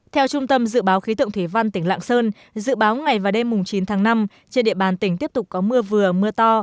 theo trung tâm dự báo khí tượng thủy văn tỉnh lạng sơn dự báo ngày và đêm chín tháng năm trên địa bàn tỉnh tiếp tục có mưa vừa mưa to